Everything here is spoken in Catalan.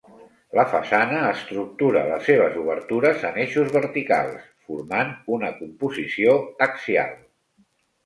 La façana estructura les seves obertures en eixos verticals, formant una composició axial.